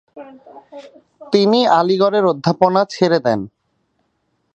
তিনি আলিগড়ের অধ্যাপনা ছেড়ে দেন।